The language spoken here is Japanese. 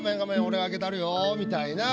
俺空けたるよ」みたいな。